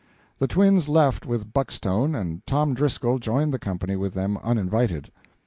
The twins left with Buckstone, and Tom Driscoll joined company with them uninvited.